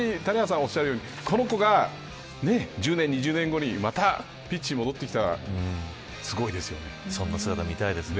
本当に谷原さんおっしゃるようにこの子が１０年、２０年後にまたピッチに戻ってきたらすごいですよね。